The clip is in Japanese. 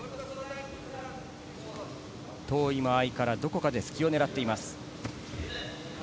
遠い間合いからどこかで突きを狙っています。